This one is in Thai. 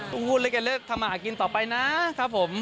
พูดเล็กแล้วถามมากินต่อไปนะครับผม